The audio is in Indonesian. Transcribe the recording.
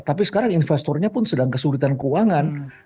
tapi sekarang investornya pun sedang kesulitan keuangan